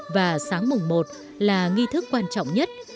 và sáng mùng một là nghi thức quan trọng nhất